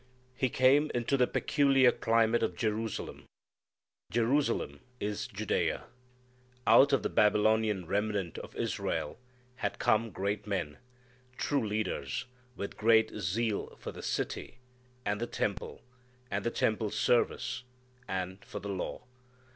He came into the peculiar climate of Jerusalem. Jerusalem is Judea. Out of the Babylonian remnant of Israel had come great men, true leaders, with great zeal for the city, and the temple, and the temple service, and for the law.